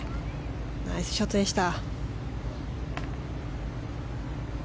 ナイスショットでした。